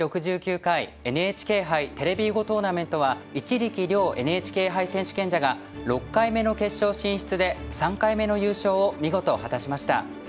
「第６９回ＮＨＫ杯テレビ囲碁トーナメント」は一力遼ＮＨＫ杯選手権者が６回目の決勝進出で３回目の優勝を見事果たしました。